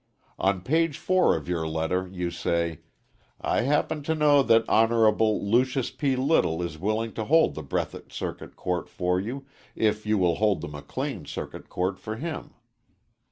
On page 4 of your letter you say "I happen to know that Hon. Lucius P. Little is willing to hold the Breathitt Circuit Court for you, if you will hold the McLean Circuit Court for him."